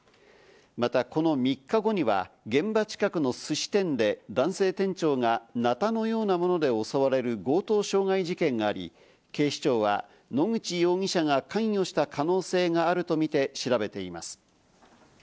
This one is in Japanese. またこの３日後には現場近くのすし店で男性店長がナタのようなもので襲われる強盗傷害事件があり、警視庁は野口容疑者が関与した可能性があるとみて調べています。